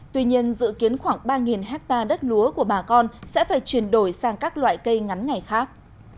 tuy nhiên dự kiến khoảng ba hectare đất lúa của bà con sẽ phải chuyển đổi sang các loại cây ngắn ngày khác